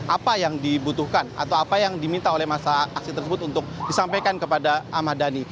apa yang dibutuhkan atau apa yang diminta oleh masa aksi tersebut untuk disampaikan kepada ahmad dhani